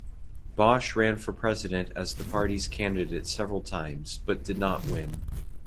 Bosch ran for president as the party's candidate several times, but did not win.